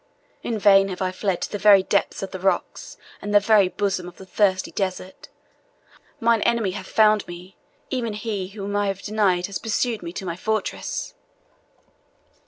In vain have I fled to the very depths of the rocks, and the very bosom of the thirsty desert. Mine enemy hath found me even he whom I have denied has pursued me to my fortresses."